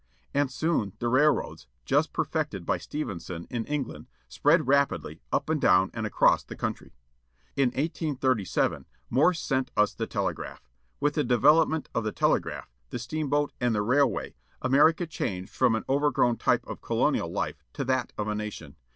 And soon the railroads â just perfected by Stephenson, in England â spread rapidly, up and down and across the country. In 1 837 Morse gave to us the telegraph. With the development of the telegraph, the steamboat, and the railway, America changed from an overgrown type of colonial life to that of a nation.